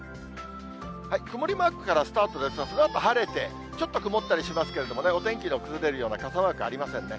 曇りマークからスタートで、そのあと晴れて、ちょっと曇ったりしますけれども、お天気の崩れるような傘マークはありませんね。